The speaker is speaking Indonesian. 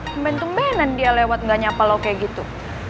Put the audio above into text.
temben tembenan dia lewat gak nyapa lo kayak gitu